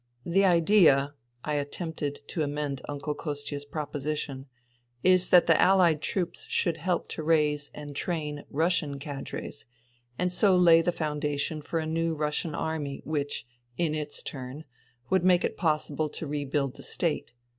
" The idea," I attempted to amend Uncle Kostia's proposition, " is that the Allied troops should help to raise and train Russian cadres and so lay the foundation for a new Russian Army which, in its turn, would make it possible to rebuild the State.